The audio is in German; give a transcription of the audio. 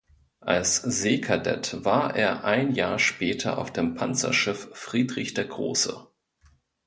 Als Seekadett war er ein Jahr später auf dem Panzerschiff "Friedrich der Große".